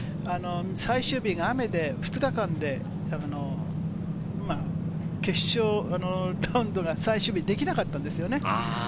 最終日が雨で、２日間で決勝ラウンドが最終日できなかったんですよ。